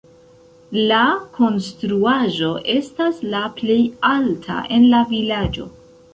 La konstruaĵo estas la plej alta en la vilaĝo.